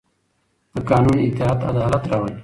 د قانون اطاعت عدالت راولي